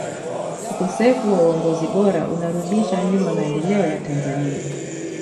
ukosefu wa uongozi bora unarudisha nyuma maendeleo ya tanzania